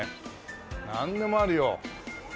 なんでもあるよ。